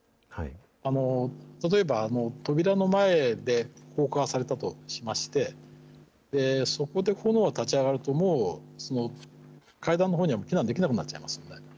例えば、扉の前で放火されたとしまして、そこで炎が立ち上がると、もう、階段のほうには避難できなくなっちゃいますよね。